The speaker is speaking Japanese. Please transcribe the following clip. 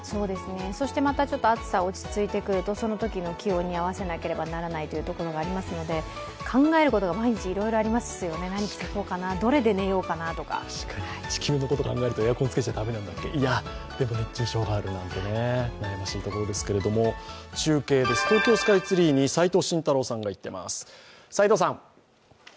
そしてまたちょっと暑さが落ち着いてくると、その気温に合わさなければいけないということもありますので、考えることが毎日いろいろありますよね、何を着ていこうかな、確かに地球のことを考えるエアコンつけちゃ駄目なんだっけいや、熱中症があるなんて、悩ましいところですけれども、中継です、東京スカイツリーに齋藤慎太郎さんが行っています。